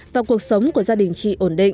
và cuộc sống của gia đình chị ổn định